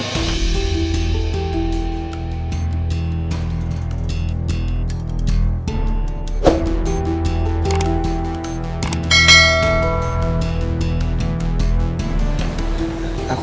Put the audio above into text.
aku gak yakin untuk mencintai kamu